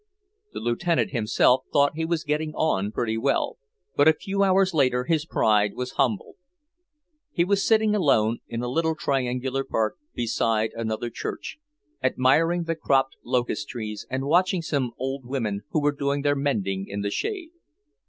The Lieutenant himself thought he was getting on pretty well, but a few hours later his pride was humbled. He was sitting alone in a little triangular park beside another church, admiring the cropped locust trees and watching some old women who were doing their mending in the shade.